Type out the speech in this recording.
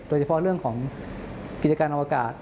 โดยเฉพาะเรื่องของกิจการอวกาศ